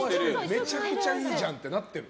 めちゃくちゃいいじゃんってなってる。